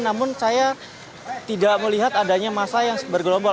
namun saya tidak melihat adanya masa yang bergelombol